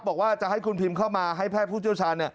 บอกว่าจะให้คุณพิมพ์เข้ามาให้แพทย์ผู้เชี่ยวชาญ